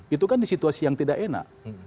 itu kan di situasi yang tidak enak